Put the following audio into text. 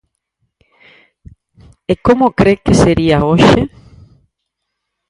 E como cre que sería hoxe?